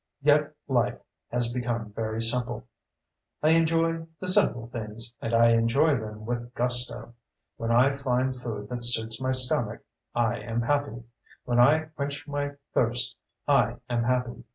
Yet life has become very simple. I enjoy the simple things and I enjoy them with gusto. When I find food that suits my stomach, I am happy. When I quench my thirst, I am happy.